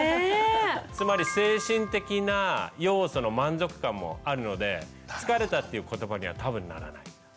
つまり精神的な要素の満足感もあるので「疲れた」っていう言葉には多分ならない。